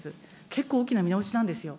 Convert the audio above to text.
結構大きな見直しなんですよ。